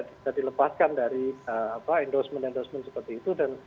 bisa dilepaskan dari endorsement endorsement seperti itu